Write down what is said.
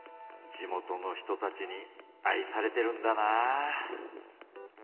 地元の人たちに愛されてるんだなぁ。